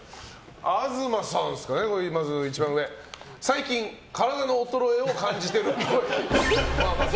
東さんですかね、一番上最近、体の衰えを感じてるっぽい。